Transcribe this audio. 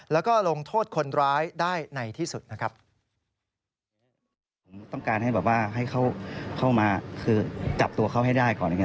แล้วก็ลงโทษคนร้ายได้ในที่สุด